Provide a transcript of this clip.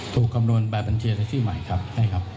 ถูกกำลวนแบบบัญชีและชื่อใหม่ครับใช่ครับ